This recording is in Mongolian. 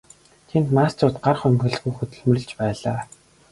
Тэнд мастерууд гар хумхилгүй хөдөлмөрлөж байлаа.